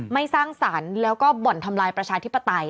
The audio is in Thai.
ไม่สร้างศาลแล้วก็บ่นทำลายประชาธิปไตย